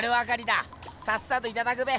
さっさといただくべ！